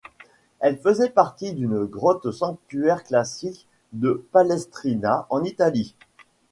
Elle faisait partie d'une grotte-sanctuaire classique de Palestrina, en Italie.